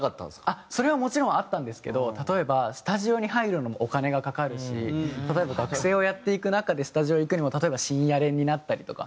それはもちろんあったんですけど例えばスタジオに入るのもお金がかかるし例えば学生をやっていく中でスタジオ行くにも例えば深夜練になったりとか。